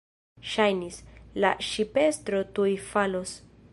Ŝajnis, la ŝipestro tuj falos.